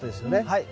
はい。